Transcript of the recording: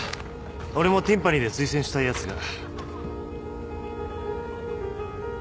俺もティンパニーで推薦したいヤツが。